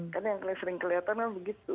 kan yang sering kelihatan kan begitu